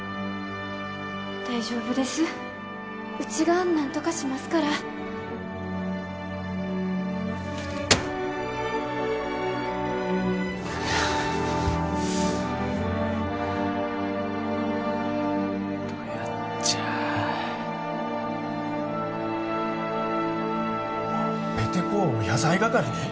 大丈夫ですうちが何とかしますからどやっじゃあ・ペテ公を野菜係に？